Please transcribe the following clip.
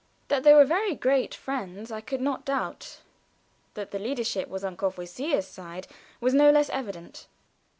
That they were very great friends I could not doubt; that the leadership was on Courvoisier's side was no less evident.